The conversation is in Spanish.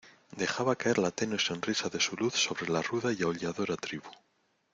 dejaba caer la tenue sonrisa de su luz sobre la ruda y aulladora tribu.